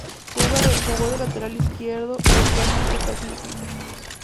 Juega de lateral izquierdo y actualmente está sin equipo.